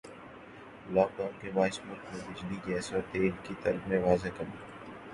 lock Dawn کے باعث ملک میں بجلی گیس اور تیل کی طلب میں واضح کمی